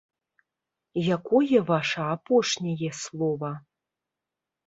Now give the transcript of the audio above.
Якое ваша апошняе слова?